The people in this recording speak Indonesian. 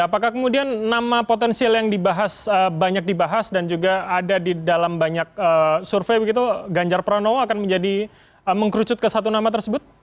apakah kemudian nama potensial yang dibahas banyak dibahas dan juga ada di dalam banyak survei begitu ganjar pranowo akan menjadi mengkerucut ke satu nama tersebut